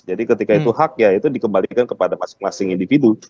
jadi ketika itu hak ya itu dikembalikan kepada masing masing individu